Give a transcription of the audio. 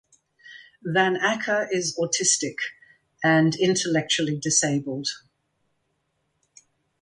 Van Acker is autistic and intellectually disabled.